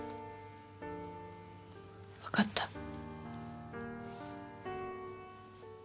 わかった。